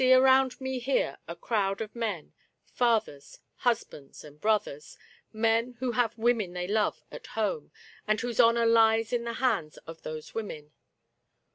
around me here a crowd of men — fathers, hus bands, and brothers — men who have women they love at home, and whose honor lies in the hands of those women.